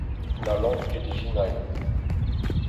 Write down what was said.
N'hallan ket ijinañ !